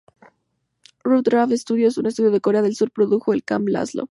Rough Draft Studios, un estudio de Corea del Sur, produjo el "Camp Lazlo.